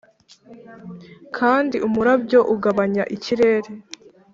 kandi umurabyo ugabanya ikirere--.